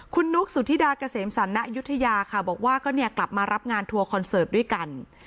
คุณนุกสุธิดากระเสมสันนะยุทยาค่ะบอกว่ากลับมารับงานทัวร์คอนเสิร์ตด้วยกัน